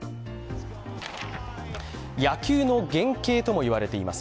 野球の原形ともいわれています。